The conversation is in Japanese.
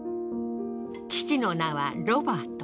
父の名はロバート。